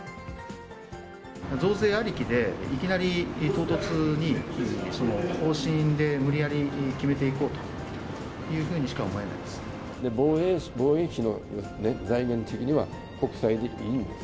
増税ありきで、いきなり唐突に方針で無理やり決めていこうというふうにしか思え防衛費の財源的には国債でいいんです。